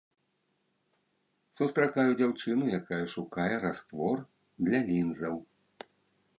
Сустракаю дзяўчыну, якая шукае раствор для лінзаў.